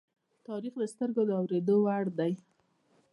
تاریخ د سترگو د اوریدو وړ دی.